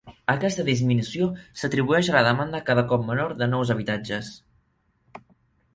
Aquesta disminució s'atribueix a la demanda cada cop menor de nous habitatges.